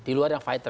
di luar yang fighter